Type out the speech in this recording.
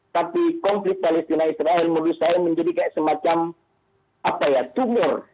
tapi konflik palestina israel menurut saya menjadi kayak semacam apa ya tumor